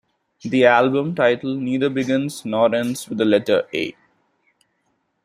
The album title neither begins nor ends with the letter 'a'.